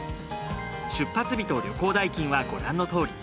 出発日と旅行代金はご覧のとおり。